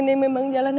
tapi ada orang bakal